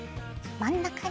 真ん中に。